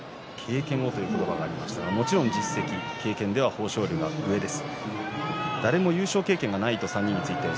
経験をというお話がありましたが、もちろん実績や経験では豊昇龍が上です。